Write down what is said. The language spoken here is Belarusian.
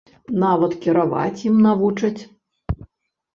Нават кіраваць ім навучаць.